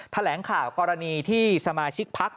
แถลงข่าวกรณีที่สมาชิกพัก